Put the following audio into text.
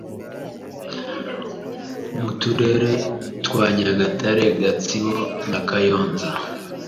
mu turere twa Nyagatare, Gatsibo na Kayonza.